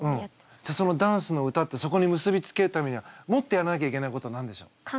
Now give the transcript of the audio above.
じゃあそのダンス歌ってそこに結び付けるためにはもっとやらなきゃいけないことは何でしょう？